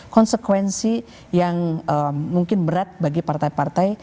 konsekuensi yang mungkin berat bagi partai partai